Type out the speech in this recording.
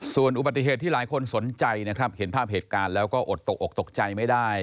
ส่วนอุบัติเหตุที่หลายคนสนใจนะครับเห็นภาพเหตุการณ์แล้วก็อดตกออกตกใจไม่ได้